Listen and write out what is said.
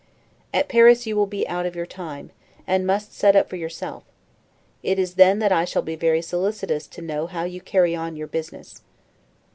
At Paris you will be out of your time, and must set up for yourself; it is then that I shall be very solicitous to know how you carry on your business.